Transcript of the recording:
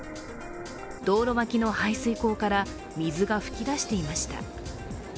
道路脇の排水溝から水が噴き出していました。